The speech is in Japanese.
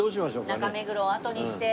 中目黒をあとにして。